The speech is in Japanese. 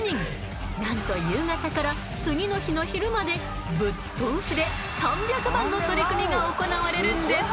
なんと夕方から次の日の昼までぶっ通しで３００番の取組が行われるんです。